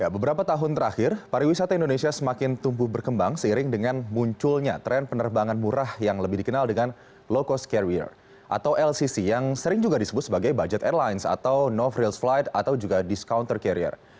beberapa tahun terakhir pariwisata indonesia semakin tumbuh berkembang seiring dengan munculnya tren penerbangan murah yang lebih dikenal dengan low cost carrier atau lcc yang sering juga disebut sebagai budget airlines atau no frield flight atau juga discounter carrier